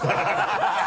ハハハ